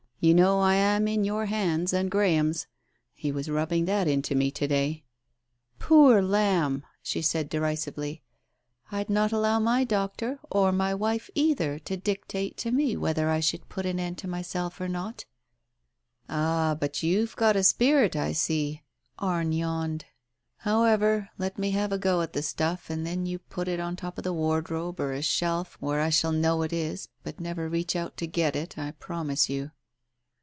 You know I am in your hands and Graham's. He was rubbing that into me to day." "Poor lamb !" she said derisively; "I'd not allow my doctor, or my wife either, to dictate to me whether I should put an end to myself, or not." "Ah, but you've got a spirit, you see !" Arne yawned. "However, let me have a go at the stuff and then you put it on top of a wardrobe or a shelf, where I shall know it is, but never reach out to get it, I promise you."